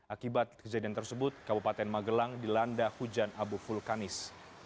akibat kejadian tersebut kabupaten magelang dilanda hujan abu vulkanis